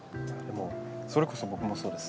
それこそ僕もそうです。